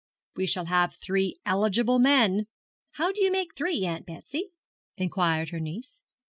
'We shall have three eligible men.' 'How do you make three, Aunt Betsy?' inquired her niece.